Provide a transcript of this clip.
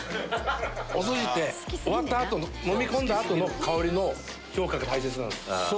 おすしって終わった後のみ込んだ後の香りの評価が大切なんです。